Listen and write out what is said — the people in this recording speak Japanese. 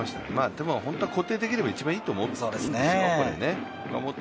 でも本当は固定できれば一番いいと思うんですよ。